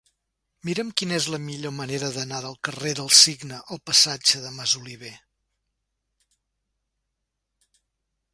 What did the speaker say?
Mira'm quina és la millor manera d'anar del carrer del Cigne al passatge de Masoliver.